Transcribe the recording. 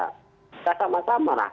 kita sama sama lah